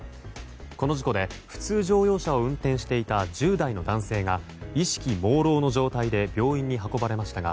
この事故で普通乗用車を運転していた１０代の男性が意識朦朧の状態で病院に運ばれましたが